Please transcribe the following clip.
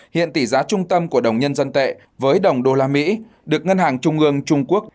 hiện tỷ giá trung tâm của đồng nhân dân tệ với đồng đô la mỹ được ngân hàng trung ương trung quốc